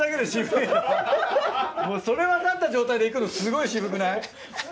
もうそれ分かった状態で行くのすごい渋くない？